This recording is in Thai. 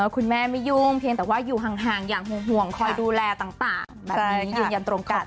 คุณแม่ไม่ยุ่งเพียงแต่ว่าอยู่ห่างอย่างห่วงคอยดูแลต่างแบบนี้ยืนยันตรงกัน